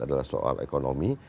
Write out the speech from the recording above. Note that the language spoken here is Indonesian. adalah soal ekonomi